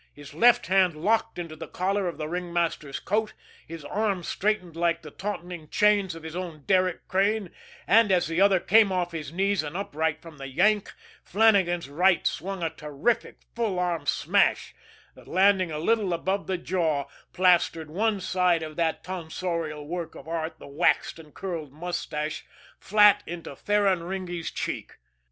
His left hand locked into the collar of the ringmaster's coat, his arm straightened like the tautening chains of his own derrick crane, and, as the other came off his knees and upright from the yank, Flannagan's right swung a terrific full arm smash that, landing a little above the jaw, plastered one side of that tonsorial work of art, the waxed and curled mustache, flat into Ferraringi's cheek.